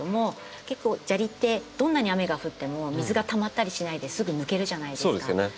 結構砂利ってどんなに雨が降っても水がたまったりしないですぐ抜けるじゃないですか。